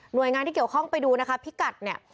หน่วยงานที่เกี่ยวข้องไปดูนะครับพี่กัดเนี่ย